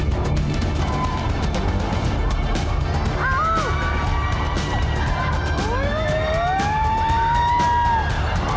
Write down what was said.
พันนิดกว่าบาทหอยดังนี้เรียกรูปนะครับเพราะทำเอง